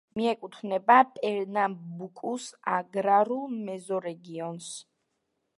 მიეკუთვნება პერნამბუკუს აგრარულ მეზორეგიონს.